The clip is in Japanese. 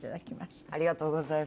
ありがとうございます。